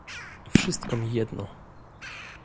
"Wszystko mi jedno."